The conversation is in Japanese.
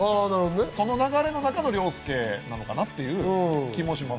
その流れの中の凌介なのかなっていう気もします。